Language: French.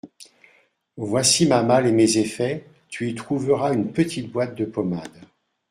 Voici ma malle et mes effets ; tu y trouveras une petite boîte de pommade.